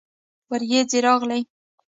ورېځې راغلې